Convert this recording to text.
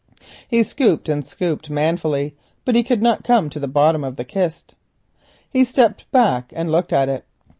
He scooped and scooped manfully, but he could not come to the bottom of the kist. He stepped back and looked at it.